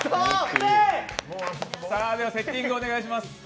ではセッティングをお願いします。